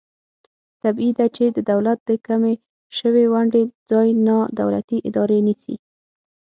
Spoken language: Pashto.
طبعي ده چې د دولت د کمې شوې ونډې ځای نا دولتي ادارې نیسي.